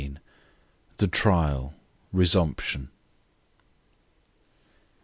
THE TRIAL RESUMPTION.